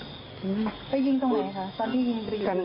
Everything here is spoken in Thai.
อื้อไปยินตรงไหนล่ะซะตอนที่หยิงเป็นปั้โคง